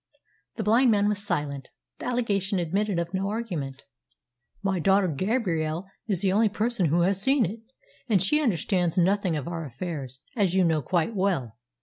The blind man was silent. The allegation admitted of no argument. "My daughter Gabrielle is the only person who has seen it, and she understands nothing of our affairs, as you know quite well."